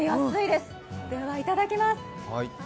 ではいただきます。